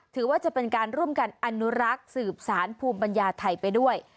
ถือว่าเป็นการร่วมกันอนุรักษ์สืบสารภูมิปัญญาไทยไปด้วย